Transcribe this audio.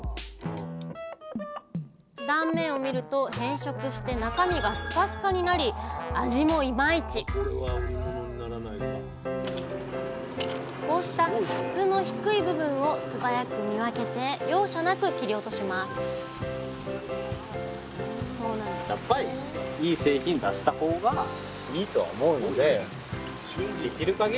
断面を見ると変色して中身がスカスカになり味もイマイチこうした質の低い部分を素早く見分けて容赦なく切り落としますうまいッ！のヒミツは収穫後にもありました。